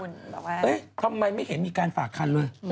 ทำไมไม่เห็นมีการฝากคันเลย